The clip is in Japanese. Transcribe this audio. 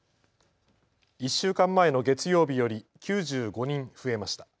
１週間前の月曜日より９５人増えました。